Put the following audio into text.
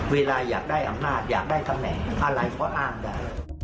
เวลาอยากได้อำนาจอยากได้ตำแหน่งอะไรก็อ้างได้